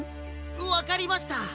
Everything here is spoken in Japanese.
わかりました。